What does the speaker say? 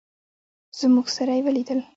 زموږ سره یې ولیدل.